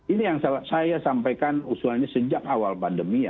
ini yang saya sampaikan usulannya sejak awal pandemi ya